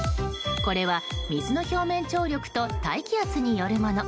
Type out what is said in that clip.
これは、水の表面張力と大気圧によるもの。